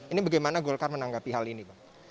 ini bagaimana golkar menanggapi hal ini bang